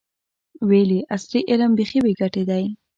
ویل یې عصري علم بیخي بې ګټې دی.